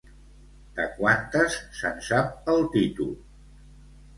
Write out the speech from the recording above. De quantes se'n sap el títol?